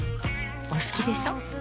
お好きでしょ。